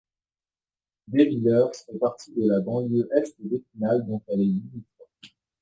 Deyvillers fait partie de la banlieue est d'Épinal, dont elle est limitrophe.